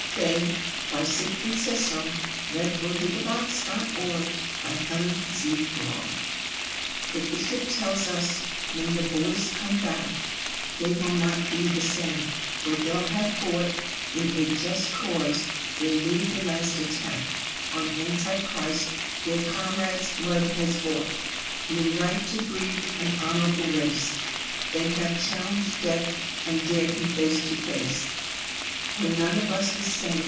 d Sassoon (1886–1967). The Old Huntsman and Other Poems. 1918. 20. 'They' THE BISHOP tells us: 'When the boys come back'They will not be the same; for they'll have fought'In a just cause: they lead the last attack'On Anti Christ; their comrades' blood has bought'New right to breed an honourable race,'They have challenged Death and dared him face to face.''We're none of us the same!